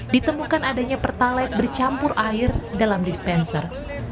ditemukan adanya pertalite bercampur air dalam dispenser